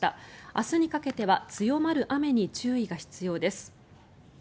明日にかけては強まる雨に注意が必要です。